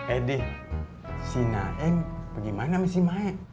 eh dih si naim bagaimana sama si maek